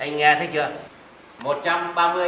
anh nghe thấy chưa